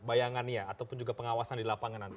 bayangannya ataupun juga pengawasan di lapangan nanti